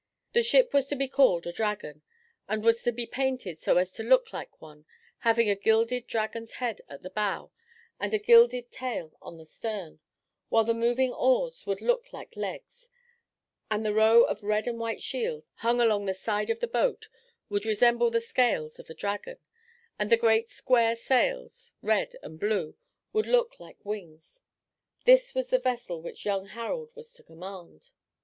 The ship was to be called a Dragon, and was to be painted so as to look like one, having a gilded dragon's head at the bow and a gilded tail on the stern; while the moving oars would look like legs, and the row of red and white shields, hung along the side of the boat, would resemble the scales of a dragon, and the great square sails, red and blue, would look like wings. This was the vessel which young Harald was to command.